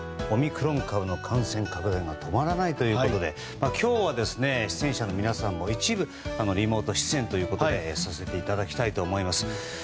オミクロン株の感染拡大が止まらないということで今日は出演者の皆さんも一部リモート出演ということにさせていただきたいと思います。